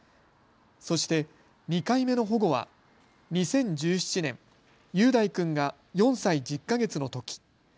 そして、２回目の保護は２０１７年、雄大君が４歳１０か月のとき。